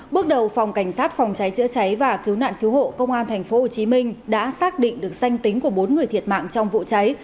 bước đầu phòng cảnh sát phòng cháy chữa cháy và cứu nạn cứu hộ công an thành phố hồ chí minh đã xác định được danh tính của bốn người thiệt mạng trong vụ cháy